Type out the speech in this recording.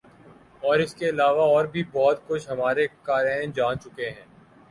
اور اس کے علاوہ اور بھی بہت کچھ ہمارے قارئین جان چکے ہیں ۔